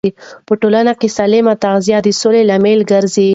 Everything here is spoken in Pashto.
په ټولنه کې سالمه تغذیه د سولې لامل ګرځي.